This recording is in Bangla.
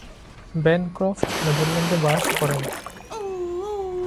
ব্যানক্রফট নেদারল্যান্ডে বাস করেন।